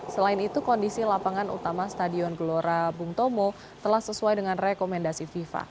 selain itu kondisi lapangan utama stadion gelora bung tomo telah sesuai dengan rekomendasi fifa